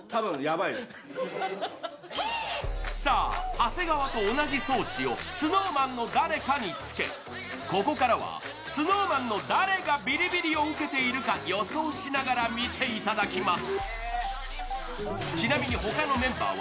長谷川と同じ装置をＳｎｏｗＭａｎの誰かにつけ、ここからはＳｎｏｗＭａｎの誰がビリビリを受けているか予想しながら見ていただきます。